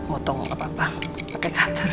motong gak apa apa pake cutter